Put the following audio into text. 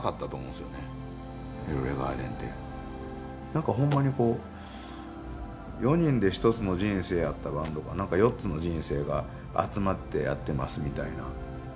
なんかほんまにこう４人で１つの人生やったバンドがなんか４つの人生が集まってやってますみたいな。